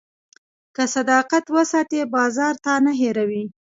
که صداقت وساتې، بازار تا نه هېروي.